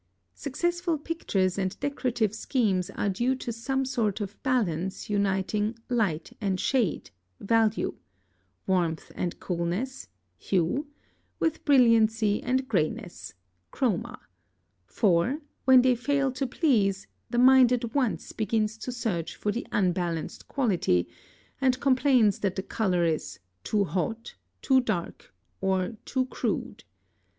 Successful pictures and decorative schemes are due to some sort of balance uniting "light and shade" (value), "warmth and coolness" (hue), with "brilliancy and grayness" (chroma); for, when they fail to please, the mind at once begins to search for the unbalanced quality, and complains that the color is "too hot," "too dark," or "too crude."